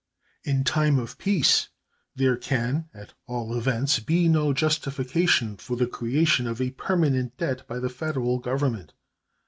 In time of peace there can, at all events, be no justification for the creation of a permanent debt by the Federal Government.